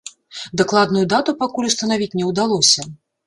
Дакладную дату пакуль устанавіць не ўдалося.